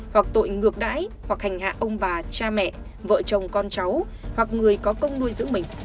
hoặc tội ngược đãi hoặc hành hạ ông bà cha mẹ vợ chồng con cháu hoặc người có công nuôi giữ mình